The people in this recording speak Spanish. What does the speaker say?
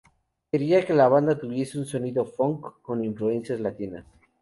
Quería que la banda tuviese un sonido funk con influencias latinas.